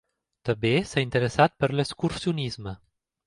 També s'ha interessat per l'excursionisme.